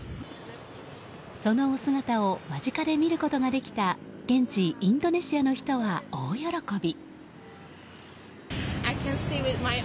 そのお姿を間近で見ることができた現地インドネシアの人は大喜び。